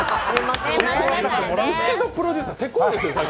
うちのプロデューサー、せこいですよ。